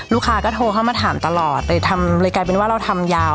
ลูกค้าก็โทรเข้ามาถามตลอดเลยทำเลยกลายเป็นว่าเราทำยาว